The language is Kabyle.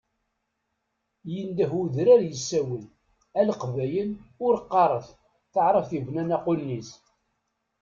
Yendeh udrar yessawel, a Leqbayel ur qqaret, taɛrabt yebnan aqunniz.